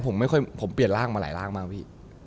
ผมไม่ค่อยผมเปลี่ยนร่างมาหลายร่างมากพี่